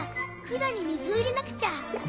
管に水を入れなくちゃ。